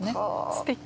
すてき。